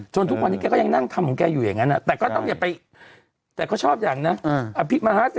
จนทุกวันนี้แกก็ยังนั่งทำของแกอยู่อย่างงั้นอ่ะ